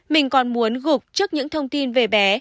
mình còn muốn gục trước những thông tin về bé